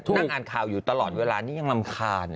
นั่งอ่านข่าวอยู่ตลอดเวลานี้ยังรำคาญ